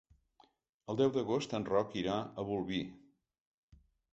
El deu d'agost en Roc irà a Bolvir.